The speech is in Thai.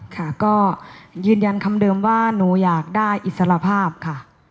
ค่ะก็ยืนยันคำเดิมว่าหนูอยากได้อิสรภาพค่ะ